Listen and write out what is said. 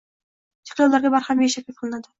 Cheklovlarga barham berish taklif qilinadi.